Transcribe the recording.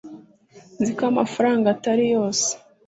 Nzi ko amafaranga atari yose